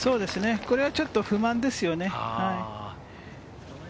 これはちょっと不満ですよね。